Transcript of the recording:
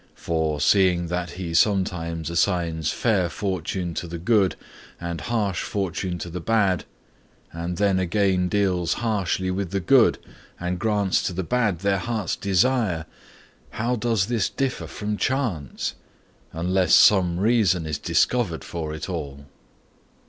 For, seeing that He sometimes assigns fair fortune to the good and harsh fortune to the bad, and then again deals harshly with the good, and grants to the bad their hearts' desire, how does this differ from chance, unless some reason is discovered for it all?'